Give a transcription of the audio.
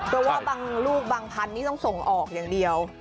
เพราะว่าบางลูกบางพันธุ์นี่ต้องส่งออกอย่างเดียว